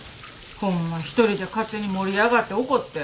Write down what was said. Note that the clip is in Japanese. ホンマ一人で勝手に盛り上がって怒って。